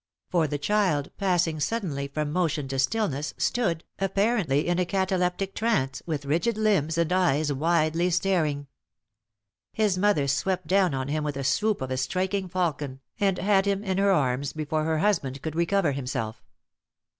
For the child, passing suddenly from motion to stillness, stood, apparently in a cataleptic trance, with rigid limbs and eyes widely staring. His mother swept down on him with the swoop of a striking falcon, and had him in her arms before her husband could recover himself.